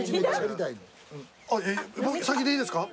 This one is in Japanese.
僕先でいいですか。